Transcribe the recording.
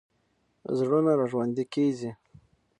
زړونه راژوندي کېږي.